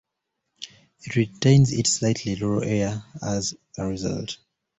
It retains its slightly rural air as a result.